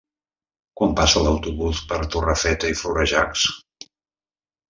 Quan passa l'autobús per Torrefeta i Florejacs?